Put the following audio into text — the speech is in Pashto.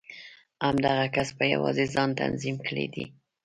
همدغه کس په يوازې ځان تنظيم کړی و.